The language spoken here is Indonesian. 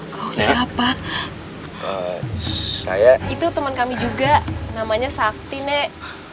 kau siapa itu teman kami juga namanya sakti nek